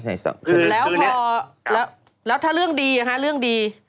ไหนสองคือแล้วพอแล้วแล้วถ้าเรื่องดีอะฮะเรื่องดี